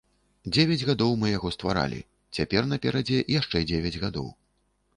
Дзевяць гадоў мы яго стваралі, цяпер наперадзе яшчэ дзевяць гадоў.